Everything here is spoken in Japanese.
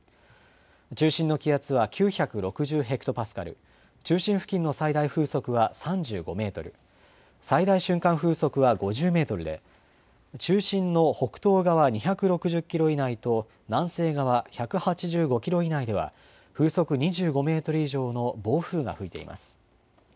中心の気圧は９６０ヘクトパスカル、中心付近の最大風速は３５メートル、最大瞬間風速は５０メートルで、中心の北東側２６０キロ以内と南西側１８５キロ以内では、風速２５メートル以上の暴風が吹いています。